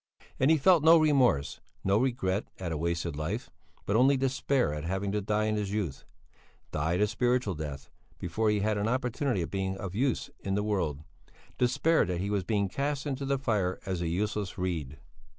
And he felt no remorse, no regret at a wasted life, but only despair at having to die in his youth, die the spiritual death, before he had had an opportunity of being of use in the world; despair that he was being cast into the fire as a useless reed.